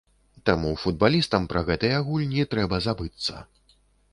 Таму футбалістам пра гэтыя гульні трэба забыцца.